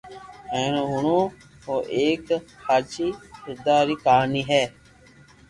ھين او ھڻو او ايڪ ھاچي ھردا ري ڪہاني ھي